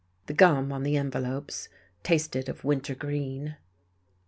The gum on the envelopes tasted of winter green.